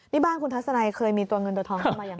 นี่บ้านคุณทัศนัยเคยมีตัวเงินตัวทองเข้ามายังไง